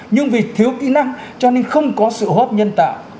nhưng vì thiếu kỹ năng cho nên không có sự hô hấp nhân tạo